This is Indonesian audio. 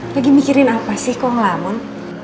lagi mikirin apa sih kok ngelamun